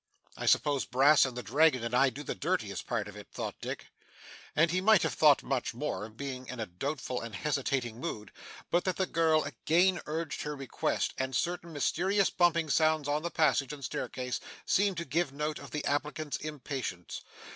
'I suppose Brass and the Dragon and I do the dirtiest part of it,' thought Dick. And he might have thought much more, being in a doubtful and hesitating mood, but that the girl again urged her request, and certain mysterious bumping sounds on the passage and staircase seemed to give note of the applicant's impatience.